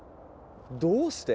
どうして？